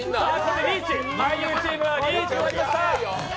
俳優チームはリーチとなりました。